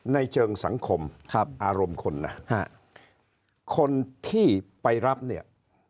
ในเชิงสังคมอารมณ์คนนะคนที่ไปรับเนี่ย